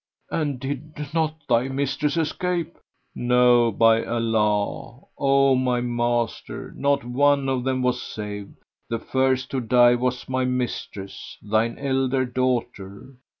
"And did not thy mistress escape?" "No, by Allah, O my master; not one of them was saved; the first to die was my mistress, thine elder daughter!"